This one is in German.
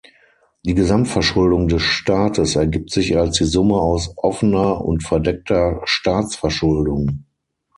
Die Gesamtverschuldung des Staates ergibt sich als die Summe aus offener und verdeckter Staatsverschuldung.